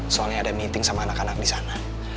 soalnya ada meeting sama anak anak di sana